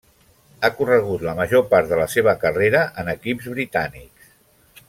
Ha corregut la major part de la seva carrera en equips britànics.